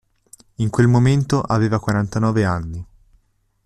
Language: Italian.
In quel momento, aveva quarantanove anni.